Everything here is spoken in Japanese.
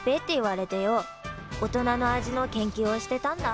大人の味の研究をしてたんだ。